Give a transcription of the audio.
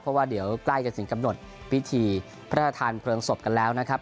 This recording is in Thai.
เพราะว่าเดี๋ยวใกล้จะถึงกำหนดพิธีพระราชทานเพลิงศพกันแล้วนะครับ